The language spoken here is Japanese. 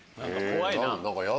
怖いな。